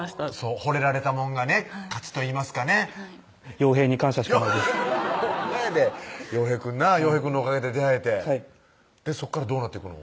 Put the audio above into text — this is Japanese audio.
ほれられたもんがね勝つといいますかねヨウヘイに感謝しかないですほんまやでヨウヘイくんなヨウヘイくんのおかげで出会えてそこからどうなっていくの？